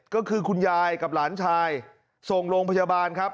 ก็คือคุณยายกับหลานชายส่งโรงพยาบาลครับ